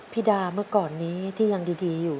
ดาเมื่อก่อนนี้ที่ยังดีอยู่